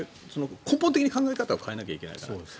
根本的に考え方を変えなきゃいけないから。